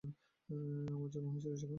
আমার জন্ম হয়েছিল সেখানে।